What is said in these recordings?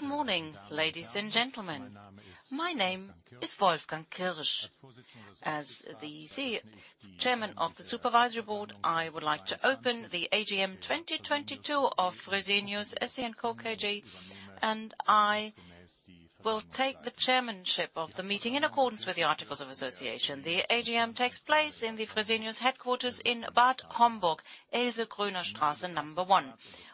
Good morning, ladies and gentlemen. My name is Wolfgang Kirsch. As the chairman of the supervisory board, I would like to open the AGM 2022 of Fresenius SE & Co KGaA, and I will take the chairmanship of the meeting in accordance with the Articles of Association. The AGM takes place in the Fresenius headquarters in Bad Homburg, Else-Kröner-Straße 1.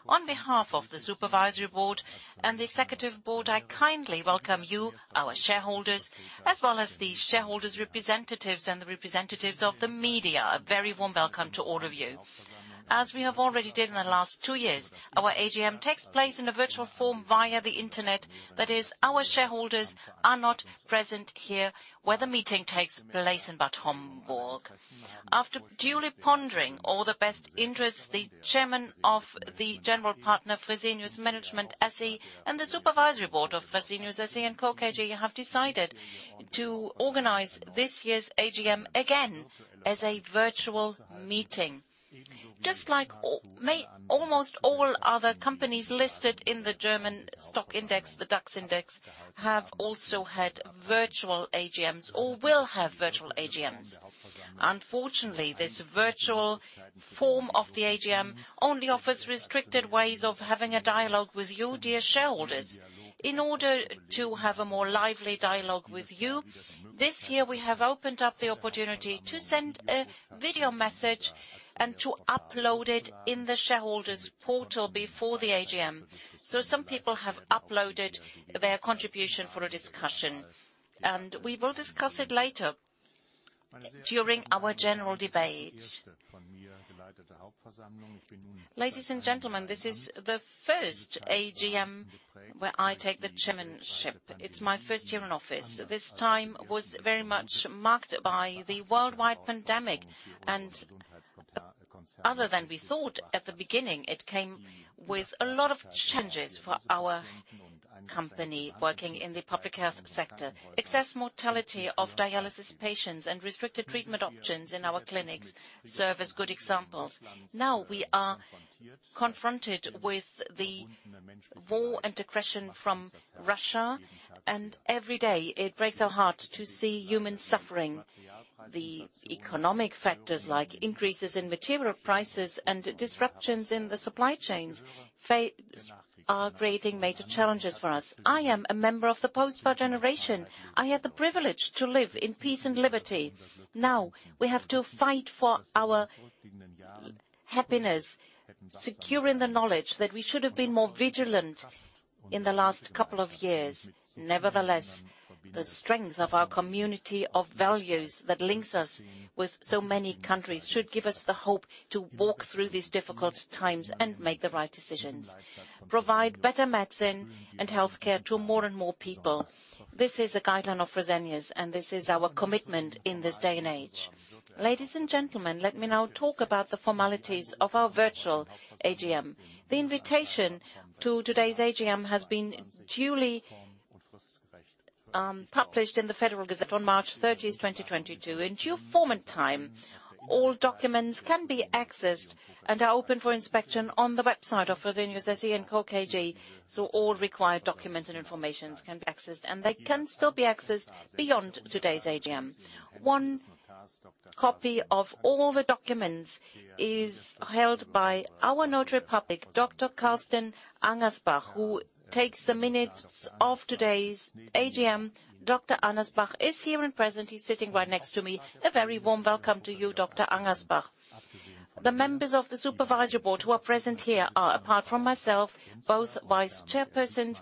On behalf of the supervisory board and the executive board, I kindly welcome you, our shareholders, as well as the shareholders representatives and the representatives of the media. A very warm welcome to all of you. As we have already did in the last two years, our AGM takes place in a virtual form via the Internet. That is, our shareholders are not present here where the meeting takes place in Bad Homburg. After duly pondering all the best interests, the chairman of the general partner Fresenius Management SE and the supervisory board of Fresenius SE & Co KGaA have decided to organize this year's AGM again as a virtual meeting. Just like almost all other companies listed in the German stock index, the DAX index, have also had virtual AGMs or will have virtual AGMs. Unfortunately, this virtual form of the AGM only offers restricted ways of having a dialogue with you, dear shareholders. In order to have a more lively dialogue with you, this year we have opened up the opportunity to send a video message and to upload it in the shareholder's portal before the AGM. Some people have uploaded their contribution for a discussion, and we will discuss it later during our general debate. Ladies and gentlemen, this is the first AGM where I take the chairmanship. It's my first year in office. This time was very much marked by the worldwide pandemic and other than we thought at the beginning, it came with a lot of changes for our company working in the public health sector. Excess mortality of dialysis patients and restricted treatment options in our clinics serve as good examples. Now we are confronted with the war and aggression from Russia, and every day it breaks our heart to see humans suffering. The economic factors like increases in material prices and disruptions in the supply chains are creating major challenges for us. I am a member of the post-war generation. I had the privilege to live in peace and liberty. Now we have to fight for our happiness, secure in the knowledge that we should have been more vigilant in the last couple of years. Nevertheless, the strength of our community of values that links us with so many countries should give us the hope to walk through these difficult times and make the right decisions. Provide better medicine and health care to more and more people. This is a guideline of Fresenius, and this is our commitment in this day and age. Ladies and gentlemen, let me now talk about the formalities of our virtual AGM. The invitation to today's AGM has been duly published in the Federal Gazette on March 30th, 2022. In due form and time, all documents can be accessed and are open for inspection on the website of Fresenius SE & Co KGaA, so all required documents and information can be accessed, and they can still be accessed beyond today's AGM. One copy of all the documents is held by our notary public, Dr Carsten Angersbach, who takes the minutes of today's AGM. Dr. Angersbach is here and present. He's sitting right next to me. A very warm welcome to you, Dr. Angersbach. The members of the supervisory board who are present here are, apart from myself, both vice chairpersons,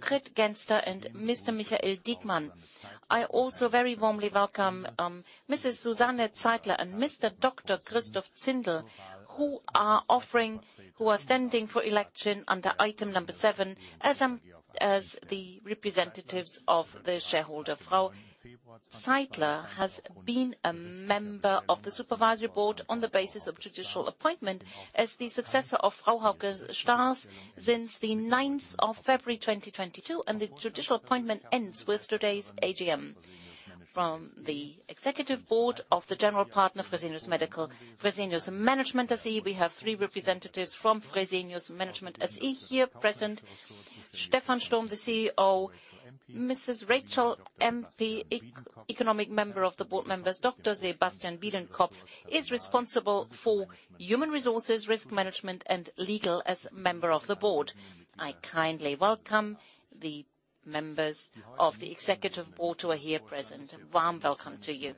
Grit Genster and Mr. Michael Diekmann. I also very warmly welcome Mrs. Susanne Zeidler and Dr. Christoph Zindel, who are standing for election under item number seven as the representatives of the shareholder. Frau Zeidler has been a member of the supervisory board on the basis of judicial appointment as the successor of Frau Hauke Stars since the ninth of February, 2022, and the judicial appointment ends with today's AGM. From the executive board of the general partner Fresenius Management SE, we have three representatives from Fresenius Management SE here present. Stephan Sturm, the CEO, Mrs. Rachel Empey, economic member of the board members, Dr. Sebastian Biedenkopf is responsible for human resources, risk management, and legal as member of the board. I kindly welcome the members of the executive board who are here present. A warm welcome to you.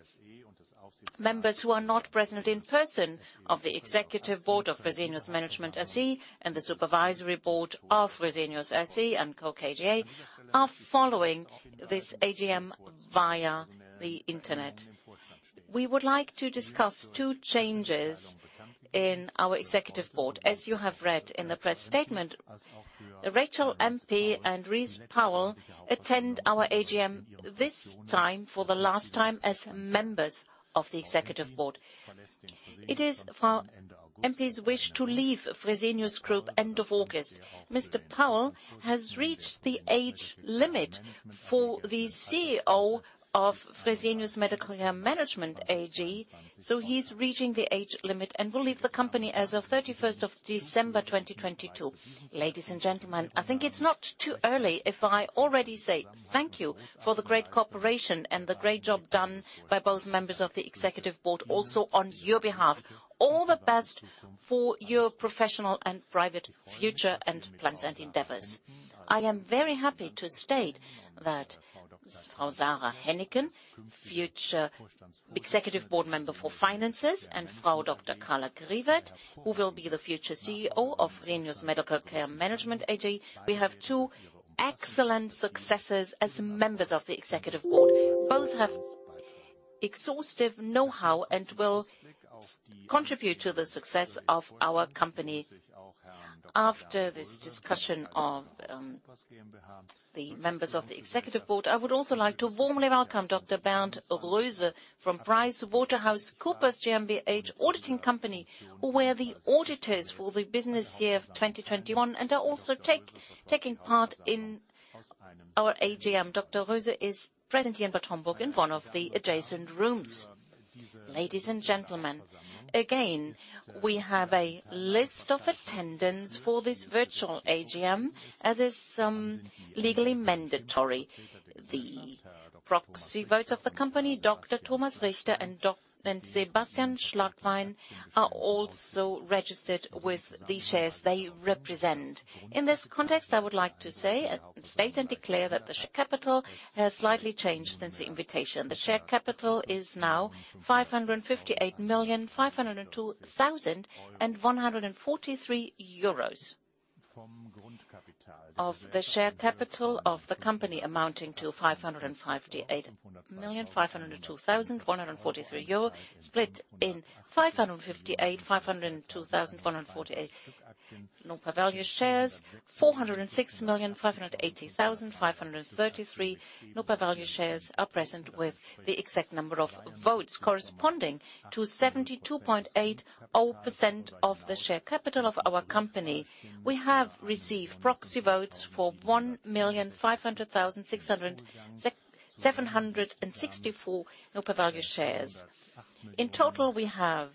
Members who are not present in person of the executive board of Fresenius Management SE and the supervisory board of Fresenius SE & Co KGaA are following this AGM via the Internet. We would like to discuss two changes in our executive board. As you have read in the press statement, Rachel Empey and Rice Powell attend our AGM this time for the last time as members of the executive board. It is her wish to leave Fresenius Group end of August. Mr. Powell has reached the age limit for the CEO of Fresenius Medical Care Management AG. He's reaching the age limit and will leave the company as of December 31st 2022. Ladies and gentlemen, I think it's not too early if I already say thank you for the great cooperation and the great job done by both members of the executive board, also on your behalf. All the best for your professional and private future and plans and endeavors. I am very happy to state that Frau Sara Hennicken, future Executive Board Member for Finances, and Frau Dr. Carla Kriwet, who will be the future CEO of Fresenius Medical Care Management AG. We have two excellent successors as members of the executive board. Both have exhaustive know-how and will contribute to the success of our company. After this discussion of the members of the executive board, I would also like to warmly welcome Dr. Bernd Roese from PricewaterhouseCoopers GmbH company, who were the auditors for the business year of 2021 and are also taking part in our AGM. Dr. Roese is present here in Bad Homburg in one of the adjacent rooms. Ladies and gentlemen, again, we have a list of attendance for this virtual AGM, as is legally mandatory. The proxy votes of the company, Dr. Thomas Richter and Sebastian Schlagwein, are also registered with the shares they represent. In this context, I would like to state and declare that the share capital has slightly changed since the invitation. The share capital is now 558,502,143 euros. Of the share capital of the company amounting to 558,502,143 euros, split in 558,502,148 no-par value shares. 406,580,533 no-par value shares are present with the exact number of votes corresponding to 72.80% of the share capital of our company. We have received proxy votes for 1,500,764 no-par value shares. In total, we have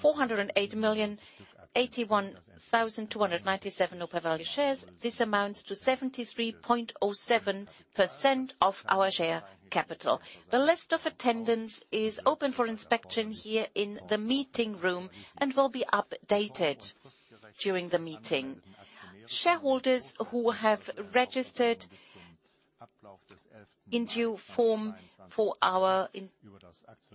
408,081,297 no-par value shares. This amounts to 73.07% of our share capital. The list of attendance is open for inspection here in the meeting room and will be updated during the meeting. Shareholders who have registered in due form for our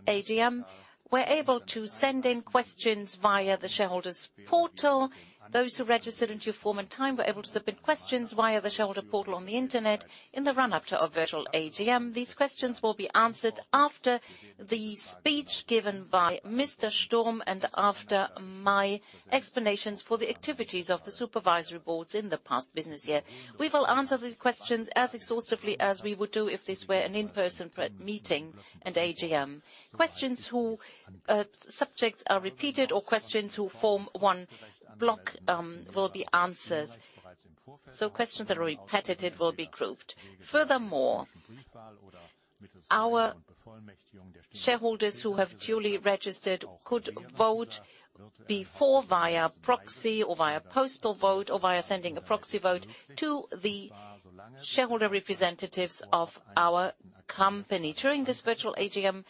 AGM were able to send in questions via the shareholders portal. Those who registered in due form and time were able to submit questions via the shareholder portal on the Internet in the run-up to our virtual AGM. These questions will be answered after the speech given by Mr. Sturm and after my explanations for the activities of the Supervisory Board in the past business year. We will answer these questions as exhaustively as we would do if this were an in-person pre-meeting and AGM. Questions whose subjects are repeated or questions that form one block will be answered. Questions that are repeated will be grouped. Furthermore, our shareholders who have duly registered could vote before via proxy or via postal vote, or via sending a proxy vote to the shareholder representatives of our company. During this virtual AGM,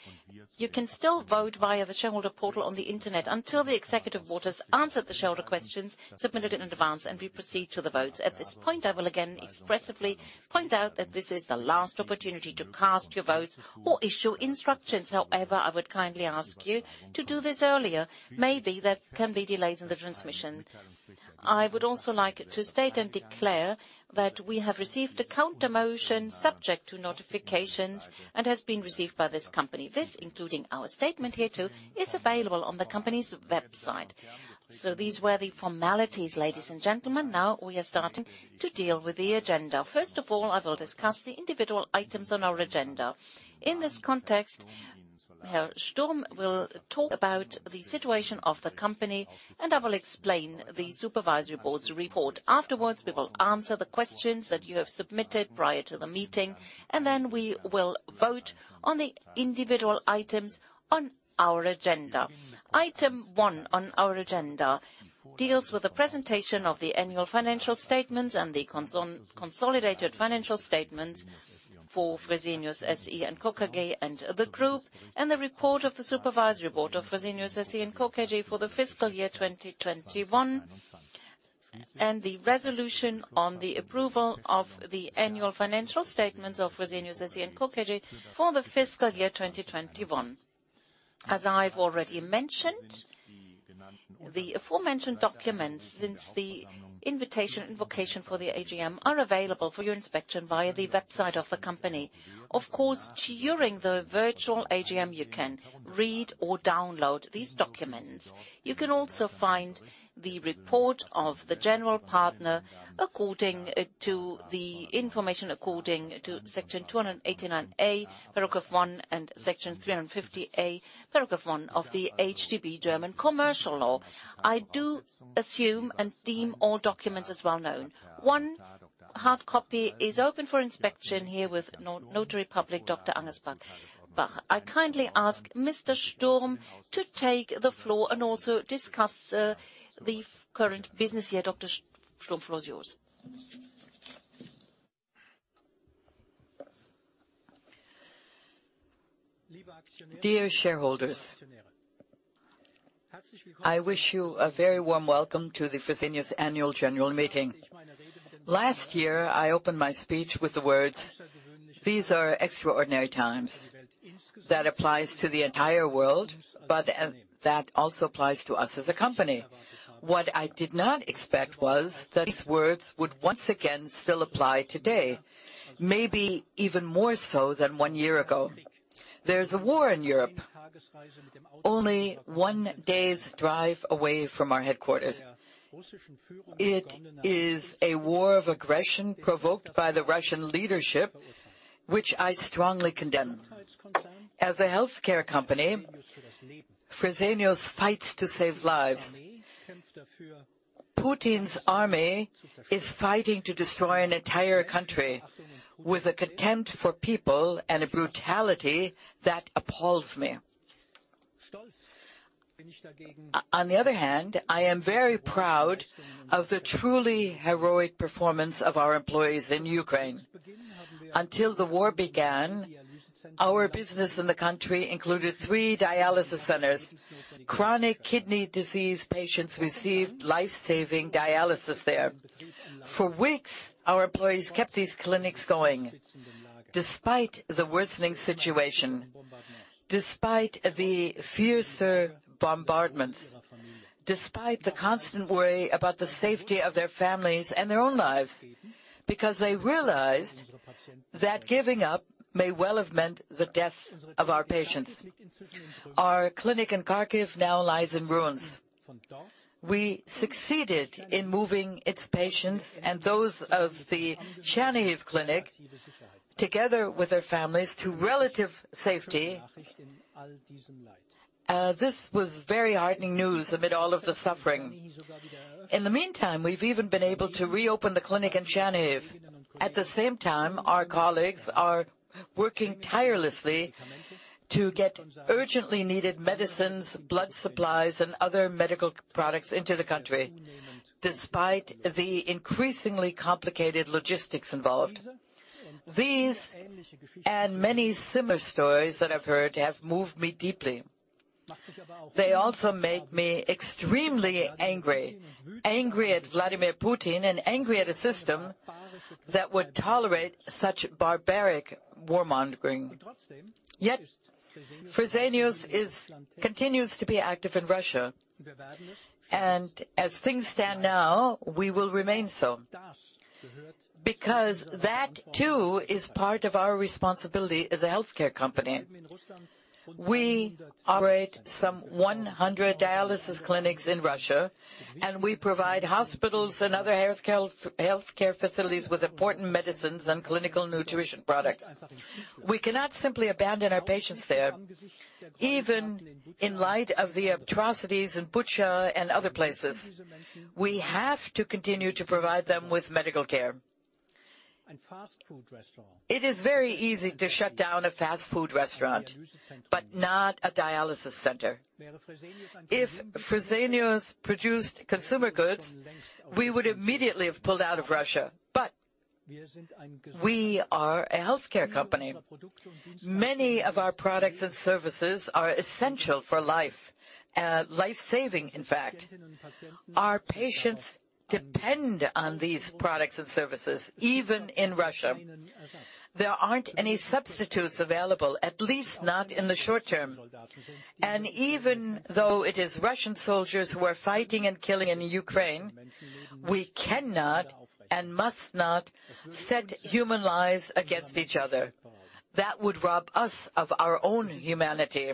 you can still vote via the shareholder portal on the Internet until the executive voters answer the shareholder questions submitted in advance and we proceed to the votes. At this point, I will again expressively point out that this is the last opportunity to cast your votes or issue instructions. However, I would kindly ask you to do this earlier. Maybe there can be delays in the transmission. I would also like to state and declare that we have received a counter motion subject to notifications and has been received by this company. This, including our statement hereto, is available on the company's website. These were the formalities, ladies and gentlemen. Now we are starting to deal with the agenda. First of all, I will discuss the individual items on our agenda. In this context, Herr Sturm will talk about the situation of the company, and I will explain the Supervisory Board's report. Afterwards, we will answer the questions that you have submitted prior to the meeting, and then we will vote on the individual items on our agenda. Item one on our agenda deals with the presentation of the annual financial statements and the consolidated financial statements for Fresenius SE & Co KGaA and the Group, and the report of the Supervisory Board of Fresenius SE & Co KGaA for the fiscal year 2021, and the resolution on the approval of the annual financial statements of Fresenius SE & Co KGaA for the fiscal year 2021. As I've already mentioned, the aforementioned documents since the invitation for the AGM are available for your inspection via the website of the company. Of course, during the virtual AGM, you can read or download these documents. You can also find the report of the general partner according to the information according to Section 289a, paragraph 1, and section 350a, paragraph 1 of the HGB, German Commercial Code. I do assume and deem all documents as well known. One hard copy is open for inspection here with Notary Public Dr. Carsten Angersbach. I kindly ask Mr. Sturm to take the floor and also discuss the current business year. Dr. Sturm, the floor is yours. Dear shareholders, I wish you a very warm welcome to the Fresenius annual general meeting. Last year, I opened my speech with the words, "These are extraordinary times." That applies to the entire world, but that also applies to us as a company. What I did not expect was that these words would once again still apply today, maybe even more so than one year ago. There's a war in Europe, only one day's drive away from our headquarters. It is a war of aggression provoked by the Russian leadership, which I strongly condemn. As a healthcare company, Fresenius fights to save lives. Putin's army is fighting to destroy an entire country with a contempt for people and a brutality that appalls me. On the other hand, I am very proud of the truly heroic performance of our employees in Ukraine. Until the war began, our business in the country included three dialysis centers. Chronic kidney disease patients received life-saving dialysis there. For weeks, our employees kept these clinics going despite the worsening situation, despite the fiercer bombardments, despite the constant worry about the safety of their families and their own lives, because they realized that giving up may well have meant the death of our patients. Our clinic in Kharkiv now lies in ruins. We succeeded in moving its patients and those of the Chernihiv clinic, together with their families, to relative safety. This was very heartening news amid all of the suffering. In the meantime, we've even been able to reopen the clinic in Chernihiv. At the same time, our colleagues are working tirelessly to get urgently needed medicines, blood supplies, and other medical products into the country, despite the increasingly complicated logistics involved. These, and many similar stories that I've heard, have moved me deeply. They also make me extremely angry. Angry at Vladimir Putin and angry at a system that would tolerate such barbaric warmongering. Yet, Fresenius is, continues to be active in Russia. As things stand now, we will remain so, because that too is part of our responsibility as a healthcare company. We operate some 100 dialysis clinics in Russia, and we provide hospitals and other healthcare facilities with important medicines and clinical nutrition products. We cannot simply abandon our patients there, even in light of the atrocities in Bucha and other places. We have to continue to provide them with medical care. It is very easy to shut down a fast food restaurant, but not a dialysis center. If Fresenius produced consumer goods, we would immediately have pulled out of Russia, but we are a healthcare company. Many of our products and services are essential for life. Life-saving, in fact. Our patients depend on these products and services, even in Russia. There aren't any substitutes available, at least not in the short term. Even though it is Russian soldiers who are fighting and killing in Ukraine, we cannot and must not set human lives against each other. That would rob us of our own humanity.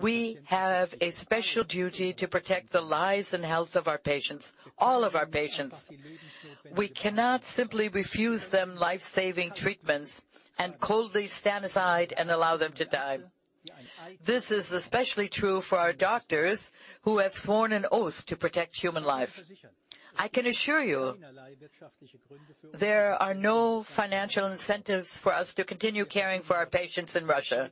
We have a special duty to protect the lives and health of our patients, all of our patients. We cannot simply refuse them life-saving treatments and coldly stand aside and allow them to die. This is especially true for our doctors who have sworn an oath to protect human life. I can assure you there are no financial incentives for us to continue caring for our patients in Russia.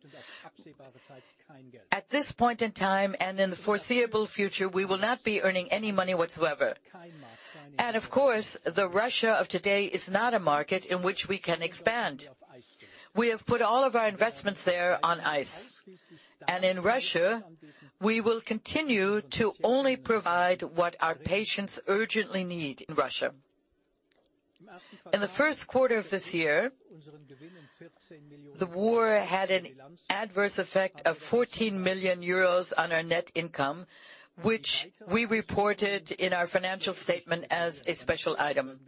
At this point in time and in the foreseeable future, we will not be earning any money whatsoever. Of course, the Russia of today is not a market in which we can expand. We have put all of our investments there on ice. In Russia, we will continue to only provide what our patients urgently need in Russia. In the first quarter of this year, the war had an adverse effect of 14 million euros on our net income, which we reported in our financial statement as a special item.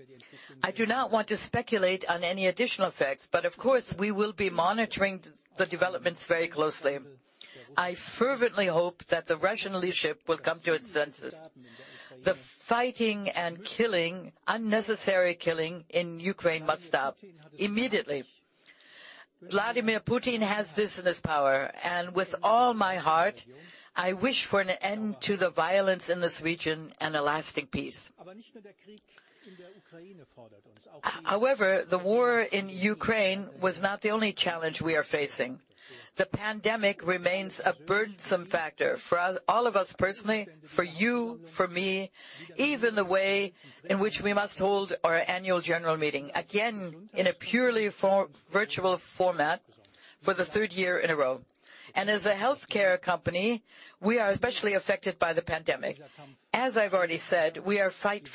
I do not want to speculate on any additional effects, but of course, we will be monitoring the developments very closely. I fervently hope that the Russian leadership will come to its senses. The fighting and killing, unnecessary killing, in Ukraine must stop immediately. Vladimir Putin has business power, and with all my heart, I wish for an end to the violence in this region and a lasting peace. However, the war in Ukraine was not the only challenge we are facing. The pandemic remains a burdensome factor for us, all of us personally, for you, for me, even the way in which we must hold our annual general meeting, again, in a purely virtual format for the third year in a row. As a healthcare company, we are especially affected by the pandemic. As I've already said, we are fighting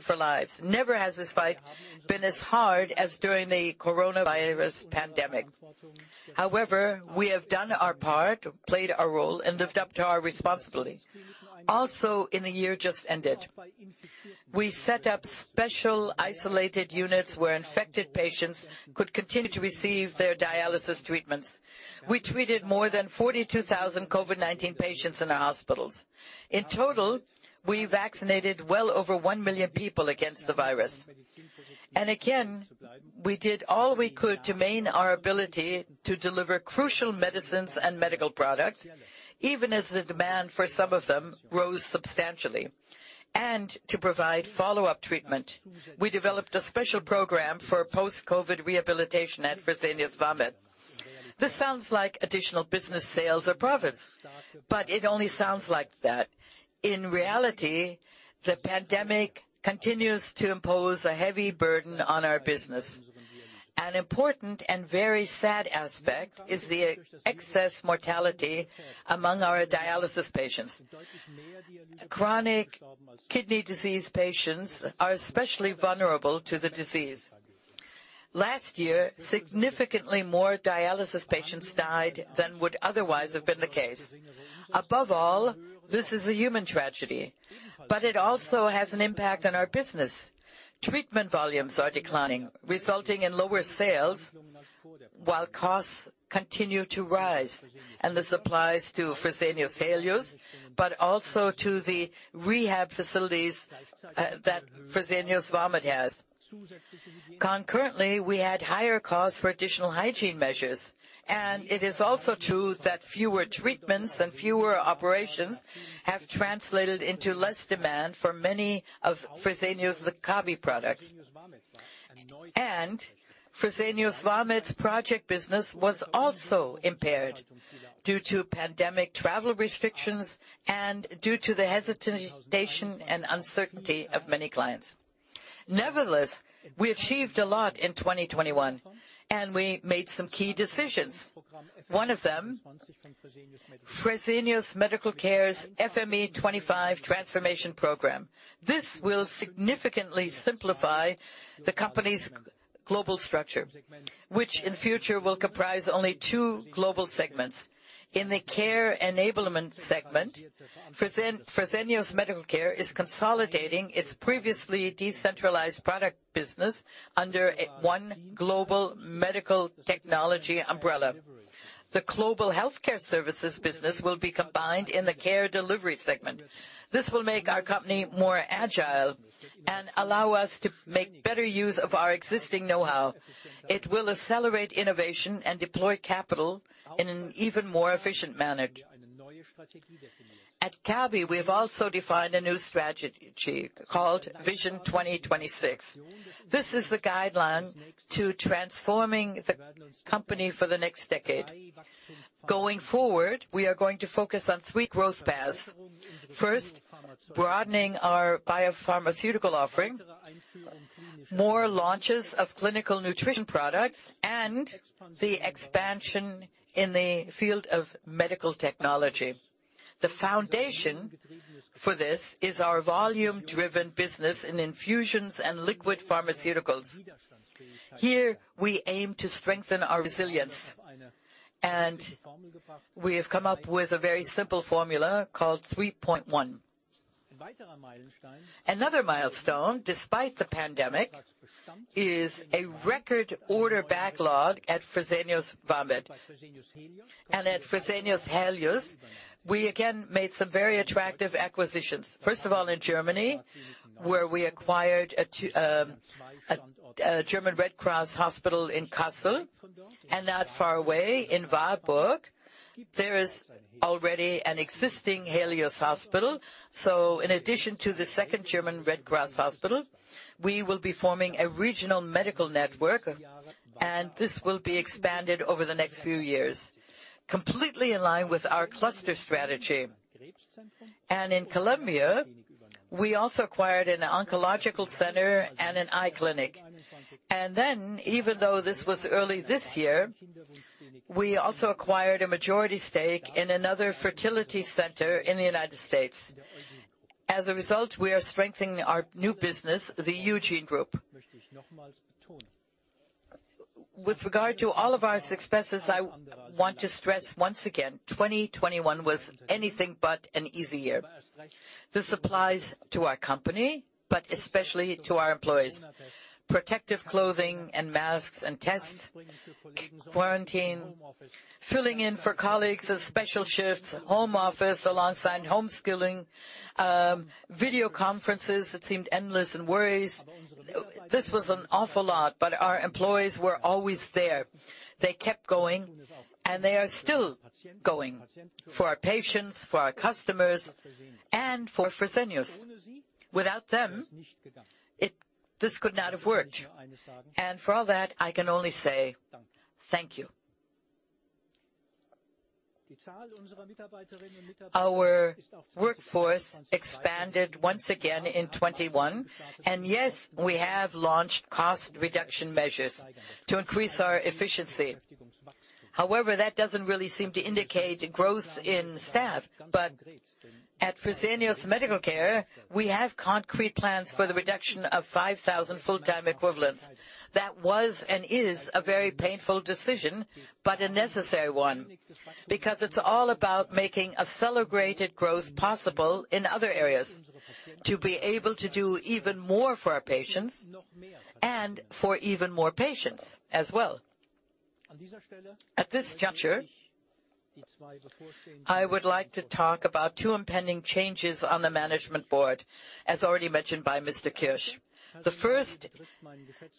for lives. Never has this fight been as hard as during the coronavirus pandemic. However, we have done our part, played our role, and lived up to our responsibility. Also, in the year just ended. We set up special isolated units where infected patients could continue to receive their dialysis treatments. We treated more than 42,000 COVID-19 patients in our hospitals. In total, we vaccinated well over 1 million people against the virus. Again, we did all we could to maintain our ability to deliver crucial medicines and medical products, even as the demand for some of them rose substantially. To provide follow-up treatment, we developed a special program for post-COVID rehabilitation at Fresenius Vamed. This sounds like additional business sales or profits, but it only sounds like that. In reality, the pandemic continues to impose a heavy burden on our business. An important and very sad aspect is the excess mortality among our dialysis patients. Chronic kidney disease patients are especially vulnerable to the disease. Last year, significantly more dialysis patients died than would otherwise have been the case. Above all, this is a human tragedy, but it also has an impact on our business. Treatment volumes are declining, resulting in lower sales while costs continue to rise. This applies to Fresenius Helios, but also to the rehab facilities that Fresenius Vamed has. Concurrently, we had higher costs for additional hygiene measures, and it is also true that fewer treatments and fewer operations have translated into less demand for many of Fresenius Kabi products. Fresenius Vamed's project business was also impaired due to pandemic travel restrictions and due to the hesitation and uncertainty of many clients. Nevertheless, we achieved a lot in 2021, and we made some key decisions. One of them, Fresenius Medical Care's FME25 transformation program. This will significantly simplify the company's global structure, which in future will comprise only two global segments. In the Care Enablement segment, Fresenius Medical Care is consolidating its previously decentralized product business under one global medical technology umbrella. The global healthcare services business will be combined in the Care Delivery segment. This will make our company more agile and allow us to make better use of our existing know-how. It will accelerate innovation and deploy capital in an even more efficient manner. At Kabi, we have also defined a new strategy called Vision 2026. This is the guideline to transforming the company for the next decade. Going forward, we are going to focus on three growth paths. First, broadening our biopharmaceutical offering, more launches of clinical nutrition products, and the expansion in the field of medical technology. The foundation for this is our volume-driven business in infusions and liquid pharmaceuticals. Here, we aim to strengthen our resilience, and we have come up with a very simple formula called 3+1. Another milestone, despite the pandemic, is a record order backlog at Fresenius Vamed. At Fresenius Helios, we again made some very attractive acquisitions. First of all, in Germany, where we acquired two German Red Cross hospitals in Kassel and not far away in Warburg. There is already an existing Helios hospital. In addition to the second German Red Cross hospital, we will be forming a regional medical network, and this will be expanded over the next few years, completely in line with our cluster strategy. In Colombia, we also acquired an oncological center and an eye clinic. Then, even though this was early this year, we also acquired a majority stake in another fertility center in the United States. As a result, we are strengthening our new business, the Eugin Group. With regard to all of our successes, I want to stress once again, 2021 was anything but an easy year. This applies to our company, but especially to our employees. Protective clothing and masks and tests, quarantine, filling in for colleagues as special shifts, home office alongside home schooling, video conferences that seemed endless and worries. This was an awful lot, but our employees were always there. They kept going, and they are still going for our patients, for our customers, and for Fresenius. Without them, this could not have worked. For all that, I can only say thank you. Thank you. Our workforce expanded once again in 2021. Yes, we have launched cost reduction measures to increase our efficiency. However, that doesn't really seem to indicate a growth in staff. At Fresenius Medical Care, we have concrete plans for the reduction of 5,000 full-time equivalents. That was and is a very painful decision, but a necessary one, because it's all about making accelerated growth possible in other areas to be able to do even more for our patients and for even more patients as well. At this juncture, I would like to talk about two impending changes on the management board, as already mentioned by Mr. Kirsch. The first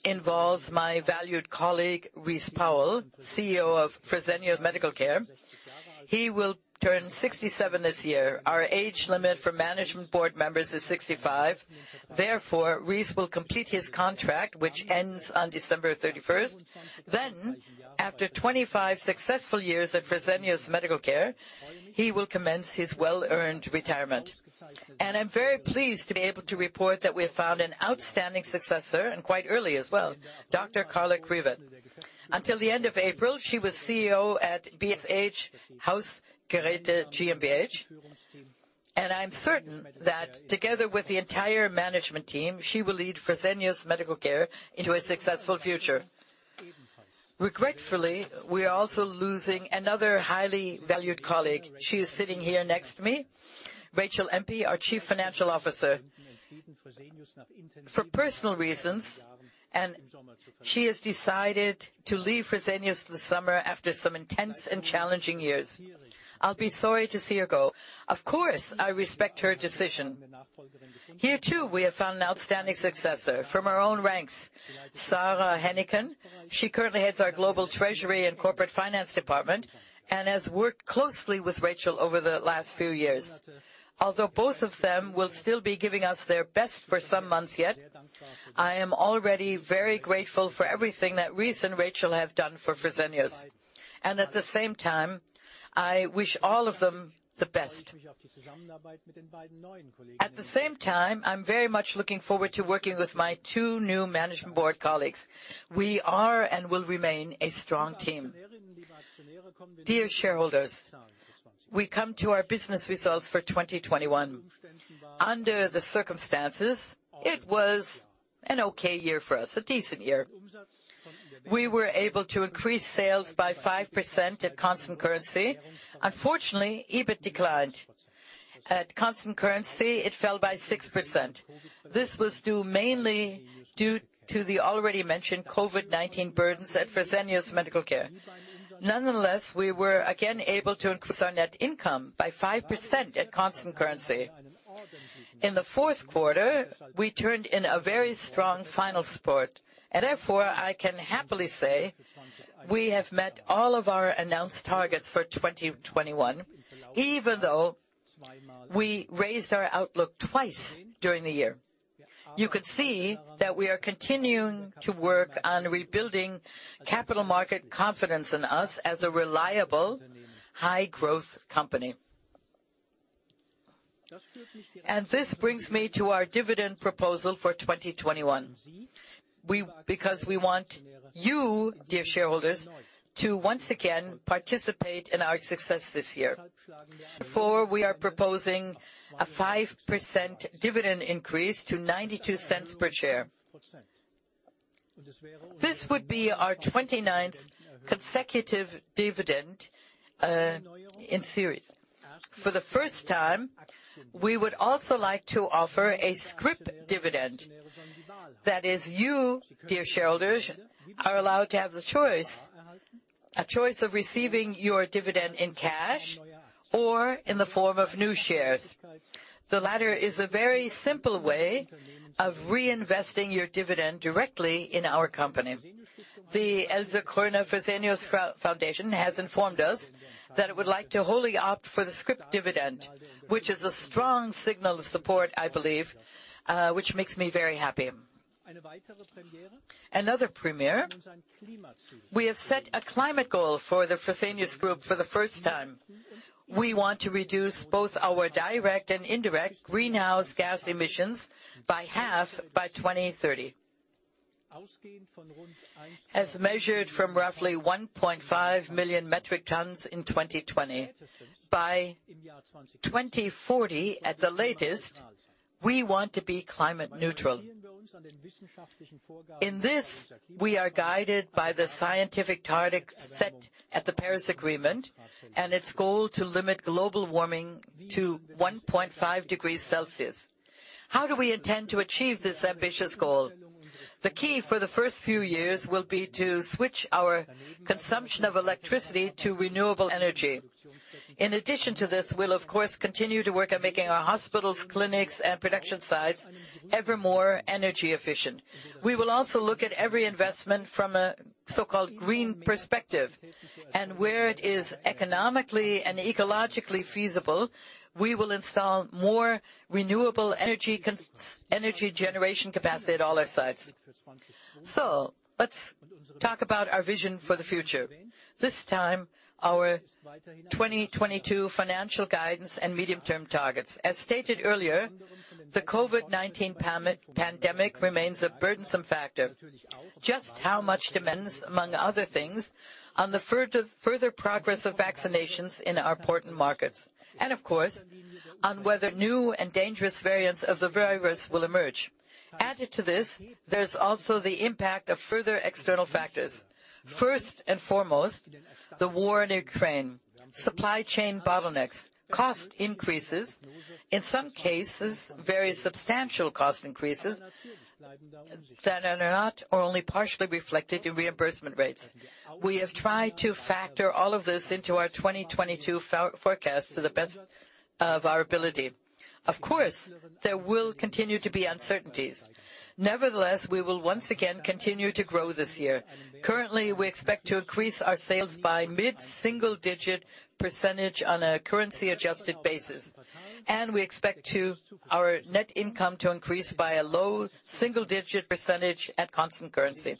involves my valued colleague, Rice Powell, CEO of Fresenius Medical Care. He will turn 67 this year. Our age limit for management board members is 65. Therefore, Rice will complete his contract, which ends on December 31st. Then after 25 successful years at Fresenius Medical Care, he will commence his well-earned retirement. I'm very pleased to be able to report that we have found an outstanding successor, and quite early as well, Dr. Carla Kriwet. Until the end of April, she was CEO at BSH Hausgeräte GmbH. I'm certain that together with the entire management team, she will lead Fresenius Medical Care into a successful future. Regretfully, we are also losing another highly valued colleague. She is sitting here next to me, Rachel Empey, our Chief Financial Officer. For personal reasons, she has decided to leave Fresenius this summer after some intense and challenging years. I'll be sorry to see her go. Of course, I respect her decision. Here, too, we have found an outstanding successor from our own ranks, Sara Hennicken. She currently heads our global treasury and corporate finance department and has worked closely with Rachel over the last few years. Although both of them will still be giving us their best for some months yet, I am already very grateful for everything that Rice and Rachel have done for Fresenius. At the same time, I wish all of them the best. At the same time, I'm very much looking forward to working with my two new management board colleagues. We are and will remain a strong team. Dear shareholders, we come to our business results for 2021. Under the circumstances, it was an okay year for us, a decent year. We were able to increase sales by 5% at constant currency. Unfortunately, EBIT declined. At constant currency, it fell by 6%. This was due mainly to the already mentioned COVID-19 burdens at Fresenius Medical Care. Nonetheless, we were again able to increase our net income by 5% at constant currency. In the fourth quarter, we turned in a very strong final spurt. Therefore, I can happily say we have met all of our announced targets for 2021, even though we raised our outlook twice during the year. You could see that we are continuing to work on rebuilding capital market confidence in us as a reliable, high-growth company. This brings me to our dividend proposal for 2021. We, because we want you, dear shareholders, to once again participate in our success this year. Therefore, we are proposing a 5% dividend increase to 0.92 per share. This would be our 29th consecutive dividend in series. For the first time, we would also like to offer a scrip dividend. That is you, dear shareholders, are allowed to have the choice. A choice of receiving your dividend in cash or in the form of new shares. The latter is a very simple way of reinvesting your dividend directly in our company. The Else Kröner-Fresenius Foundation has informed us that it would like to wholly opt for the scrip dividend, which is a strong signal of support, I believe, which makes me very happy. Another premiere, we have set a climate goal for the Fresenius Group for the first time. We want to reduce both our direct and indirect greenhouse gas emissions by half by 2030. As measured from roughly 1.5 million metric tons in 2020. By 2040 at the latest, we want to be climate neutral. In this, we are guided by the scientific targets set at the Paris Agreement and its goal to limit global warming to 1.5 degrees Celsius. How do we intend to achieve this ambitious goal? The key for the first few years will be to switch our consumption of electricity to renewable energy. In addition to this, we'll of course continue to work on making our hospitals, clinics, and production sites ever more energy efficient. We will also look at every investment from a so-called green perspective. Where it is economically and ecologically feasible, we will install more renewable energy generation capacity at all our sites. Let's talk about our vision for the future. This time, our 2022 financial guidance and medium-term targets. As stated earlier, the COVID-19 pandemic remains a burdensome factor. Just how much demands, among other things, on the further progress of vaccinations in our important markets. Of course, on whether new and dangerous variants of the virus will emerge. Added to this, there's also the impact of further external factors. First and foremost, the war in Ukraine. Supply chain bottlenecks, cost increases, in some cases, very substantial cost increases that are not, or only partially reflected in reimbursement rates. We have tried to factor all of this into our 2022 forecast to the best of our ability. Of course, there will continue to be uncertainties. Nevertheless, we will once again continue to grow this year. Currently, we expect to increase our sales by mid-single-digit percentage on a currency-adjusted basis. We expect our net income to increase by a low single-digit percentage at constant currency.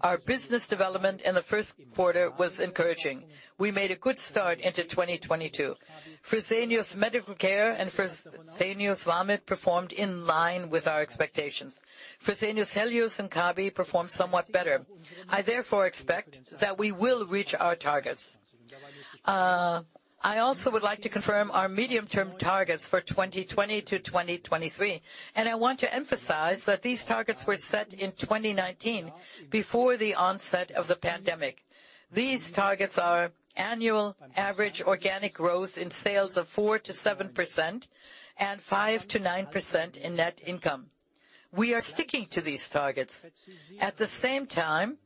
Our business development in the first quarter was encouraging. We made a good start into 2022. Fresenius Medical Care and Fresenius Vamed performed in line with our expectations. Fresenius Helios and Fresenius Kabi performed somewhat better. I therefore expect that we will reach our targets. I also would like to confirm our medium-term targets for 2020 to 2023. I want to emphasize that these targets were set in 2019 before the onset of the pandemic. These targets are annual average organic growth in sales of 4%-7% and 5%-9% in net income. We are sticking to these targets. At the same time,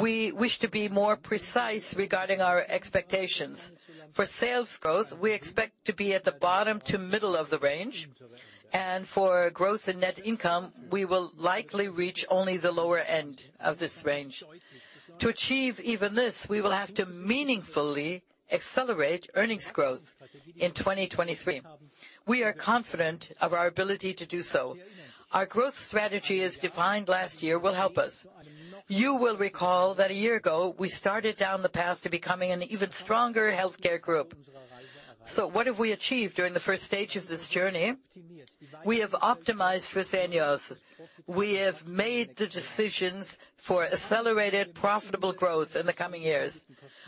we wish to be more precise regarding our expectations. For sales growth, we expect to be at the bottom to middle of the range. For growth and net income, we will likely reach only the lower end of this range. To achieve even this, we will have to meaningfully accelerate earnings growth in 2023. We are confident of our ability to do so. Our growth strategy, as defined last year, will help us. You will recall that a year ago we started down the path to becoming an even stronger healthcare group. What have we achieved during the first stage of this journey? We have optimized Fresenius. We have made the decisions for accelerated profitable growth in the coming years.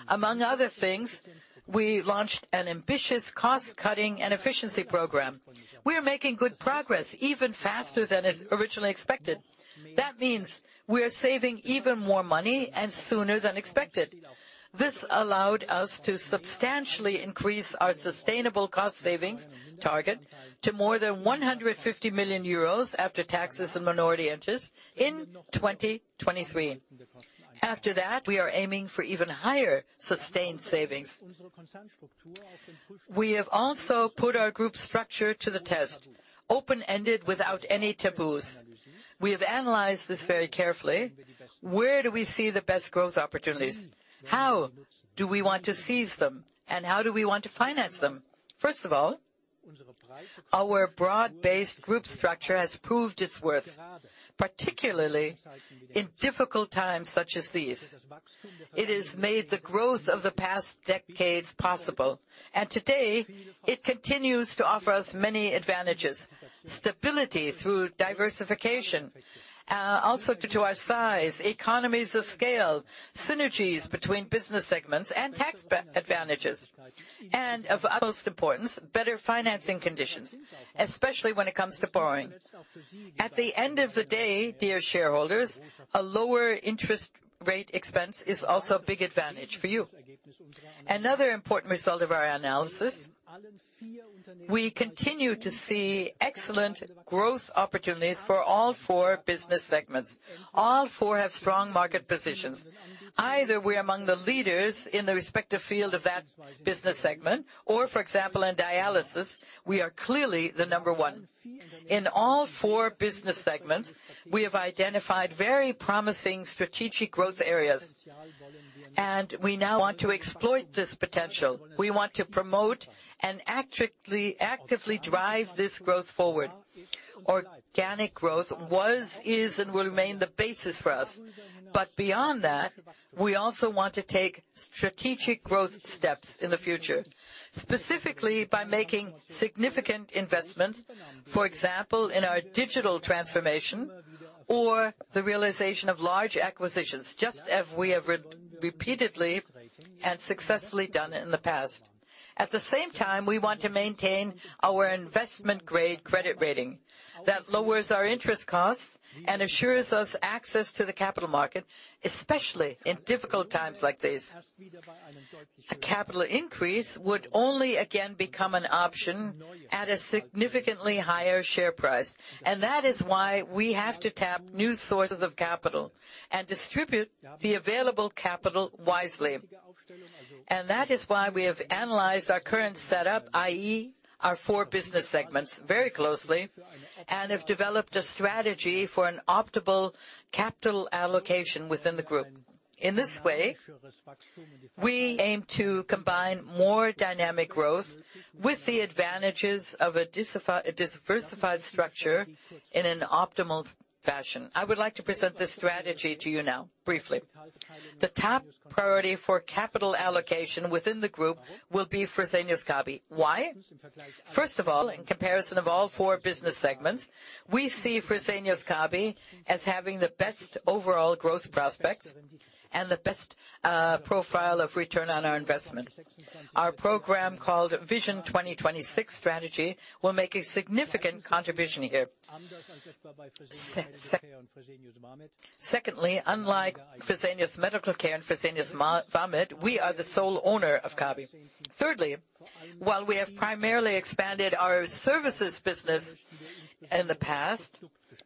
Among other things, we launched an ambitious cost-cutting and efficiency program. We are making good progress even faster than is originally expected. That means we are saving even more money and sooner than expected. This allowed us to substantially increase our sustainable cost savings target to more than 150 million euros after taxes and minority interests in 2023. After that, we are aiming for even higher sustained savings. We have also put our group structure to the test, open-ended without any taboos. We have analyzed this very carefully. Where do we see the best growth opportunities? How do we want to seize them, and how do we want to finance them? First of all, our broad-based group structure has proved its worth, particularly in difficult times such as these. It has made the growth of the past decades possible. Today it continues to offer us many advantages. Stability through diversification, also due to our size, economies of scale, synergies between business segments and tax advantages. Of utmost importance, better financing conditions, especially when it comes to borrowing. At the end of the day, dear shareholders, a lower interest rate expense is also a big advantage for you. Another important result of our analysis, we continue to see excellent growth opportunities for all four business segments. All four have strong market positions Either we're among the leaders in the respective field of that business segment or, for example, in dialysis, we are clearly the number one. In all four business segments, we have identified very promising strategic growth areas, and we now want to exploit this potential. We want to promote and actively drive this growth forward. Organic growth was, is, and will remain the basis for us. But beyond that, we also want to take strategic growth steps in the future. Specifically by making significant investments, for example, in our digital transformation or the realization of large acquisitions, just as we have repeatedly and successfully done in the past. At the same time, we want to maintain our investment-grade credit rating that lowers our interest costs and assures us access to the capital market, especially in difficult times like these. A capital increase would only again become an option at a significantly higher share price. That is why we have to tap new sources of capital and distribute the available capital wisely. That is why we have analyzed our current setup, i.e., our four business segments, very closely and have developed a strategy for an optimal capital allocation within the group. In this way, we aim to combine more dynamic growth with the advantages of a diversified structure in an optimal fashion. I would like to present this strategy to you now briefly. The top priority for capital allocation within the group will be Fresenius Kabi. Why? First of all, in comparison of all four business segments, we see Fresenius Kabi as having the best overall growth prospects and the best profile of return on our investment. Our program, called Vision 2026 Strategy, will make a significant contribution here. Secondly, unlike Fresenius Medical Care and Fresenius Vamed, we are the sole owner of Kabi. Thirdly, while we have primarily expanded our services business in the past,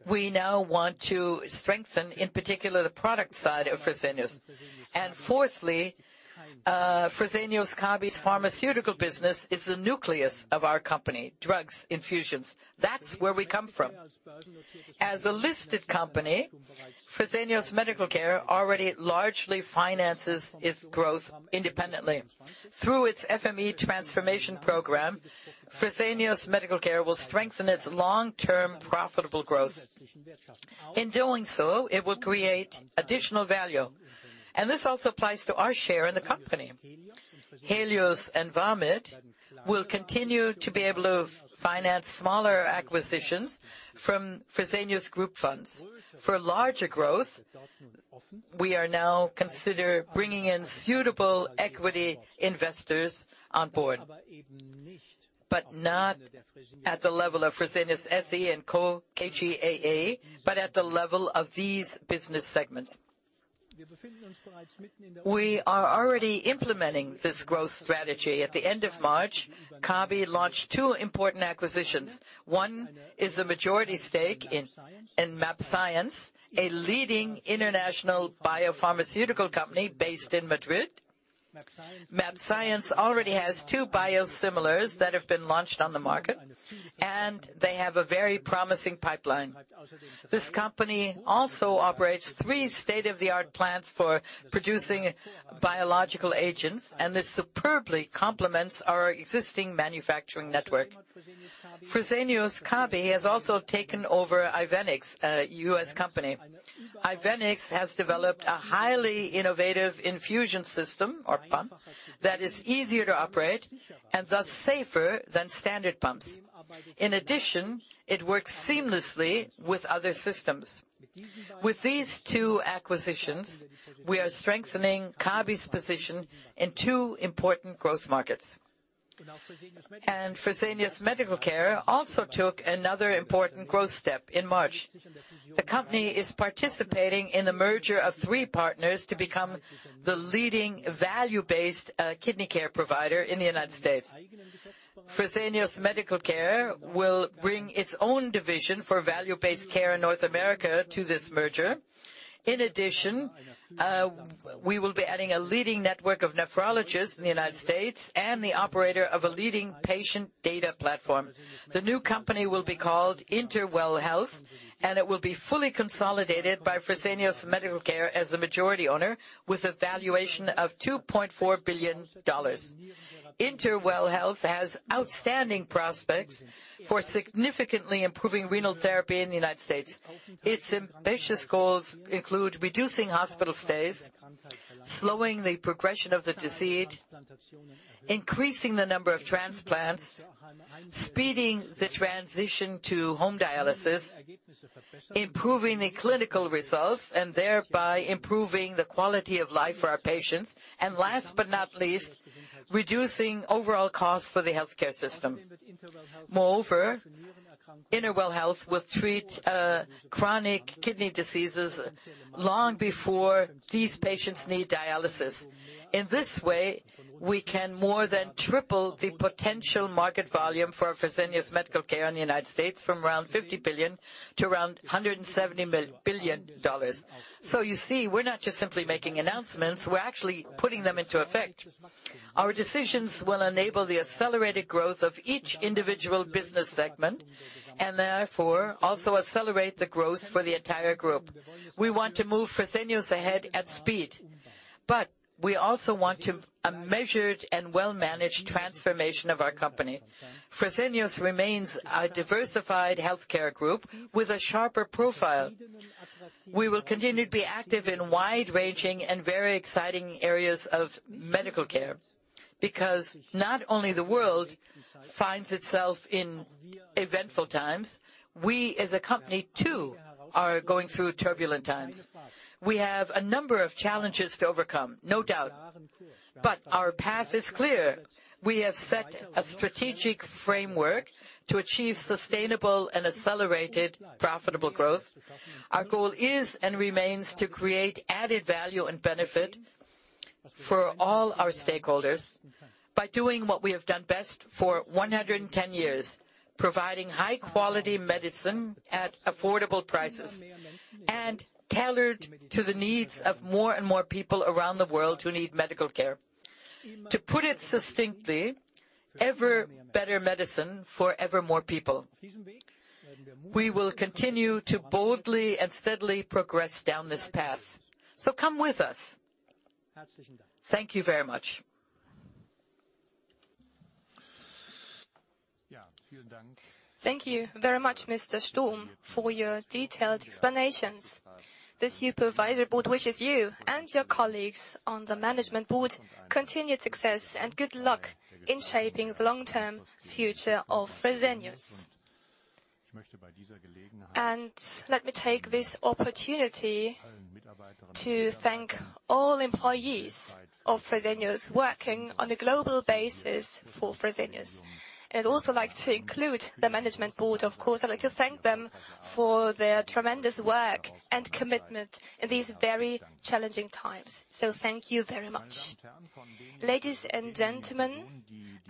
we now want to strengthen, in particular, the product side of Fresenius. Fourthly, Fresenius Kabi's pharmaceutical business is the nucleus of our company. Drugs, infusions, that's where we come from. As a listed company, Fresenius Medical Care already largely finances its growth independently. Through its FME transformation program, Fresenius Medical Care will strengthen its long-term profitable growth. In doing so, it will create additional value, and this also applies to our share in the company. Helios and Vamed will continue to be able to finance smaller acquisitions from Fresenius Group funds. For larger growth, we are now considering bringing in suitable equity investors on board, but not at the level of Fresenius SE & Co KGaA, but at the level of these business segments. We are already implementing this growth strategy. At the end of March, Kabi launched two important acquisitions. One is a majority stake in mAbxience, a leading international biopharmaceutical company based in Madrid. mAbxience already has two biosimilars that have been launched on the market, and they have a very promising pipeline. This company also operates three state-of-the-art plants for producing biological agents, and this superbly complements our existing manufacturing network. Fresenius Kabi has also taken over Ivenix, a U.S. company. Ivenix has developed a highly innovative infusion system or pump that is easier to operate and thus safer than standard pumps. In addition, it works seamlessly with other systems. With these two acquisitions, we are strengthening Kabi's position in two important growth markets. Fresenius Medical Care also took another important growth step in March. The company is participating in the merger of three partners to become the leading value-based kidney care provider in the United States. Fresenius Medical Care will bring its own division for value-based care in North America to this merger. In addition, we will be adding a leading network of nephrologists in the United States and the operator of a leading patient data platform. The new company will be called Interwell Health, and it will be fully consolidated by Fresenius Medical Care as the majority owner with a valuation of $2.4 billion. Interwell Health has outstanding prospects for significantly improving renal therapy in the United States. Its ambitious goals include reducing hospital stays, slowing the progression of the disease, increasing the number of transplants, speeding the transition to home dialysis, improving the clinical results, and thereby improving the quality of life for our patients, and last but not least, reducing overall costs for the healthcare system. Moreover, Interwell Health will treat chronic kidney diseases long before these patients need dialysis. In this way, we can more than triple the potential market volume for Fresenius Medical Care in the United States from around $50 billion to around $170 billion. You see, we're not just simply making announcements, we're actually putting them into effect. Our decisions will enable the accelerated growth of each individual business segment and therefore also accelerate the growth for the entire group. We want to move Fresenius ahead at speed, but we also want a measured and well-managed transformation of our company. Fresenius remains a diversified healthcare group with a sharper profile. We will continue to be active in wide-ranging and very exciting areas of medical care because not only the world finds itself in eventful times, we as a company too are going through turbulent times. We have a number of challenges to overcome, no doubt, but our path is clear. We have set a strategic framework to achieve sustainable and accelerated profitable growth. Our goal is and remains to create added value and benefit for all our stakeholders by doing what we have done best for 110 years, providing high-quality medicine at affordable prices and tailored to the needs of more and more people around the world who need medical care. To put it succinctly, ever better medicine for ever more people. We will continue to boldly and steadily progress down this path. Come with us. Thank you very much. Thank you very much, Mr. Sturm, for your detailed explanations. The Supervisory Board wishes you and your colleagues on the management board continued success and good luck in shaping the long-term future of Fresenius. Let me take this opportunity to thank all employees of Fresenius working on a global basis for Fresenius. I'd also like to include the management board, of course. I'd like to thank them for their tremendous work and commitment in these very challenging times. Thank you very much. Ladies and gentlemen,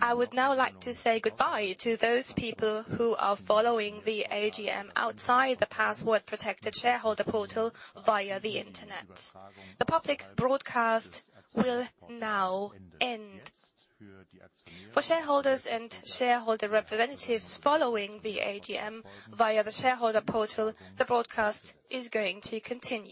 I would now like to say goodbye to those people who are following the AGM outside the password-protected shareholder portal via the Internet. The public broadcast will now end. For shareholders and shareholder representatives following the AGM via the shareholder portal, the broadcast is going to continue.